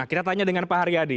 kita tanya dengan pak haryadi